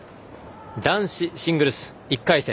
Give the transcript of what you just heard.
男子シングルス１回戦。